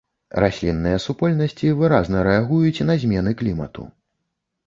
Раслінныя супольнасці выразна рэагуюць на змены клімату.